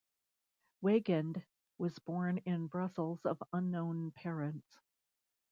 Weygand was born in Brussels of unknown parents.